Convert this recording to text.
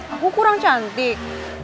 aku kurang cantik